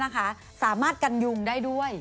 นะคะสามารถกันยุ่งได้ด้วย